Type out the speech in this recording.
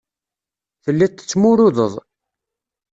Telliḍ tettmurudeḍ.